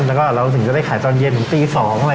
แล้วก็เราถึงจะได้ขายตอนเย็นถึงตี๒อะไร